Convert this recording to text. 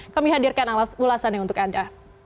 kami hadirkan ulasannya untuk anda